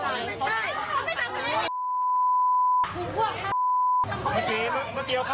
แล้วทีนี้พวกนั้น๓คนนั้นมันจะบอกว่า